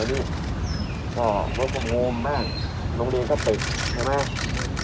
หรือถ้ายังตอบยังบอกว่าต้องช่วยต้องช่วย